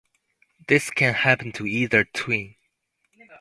This can happen to either twin.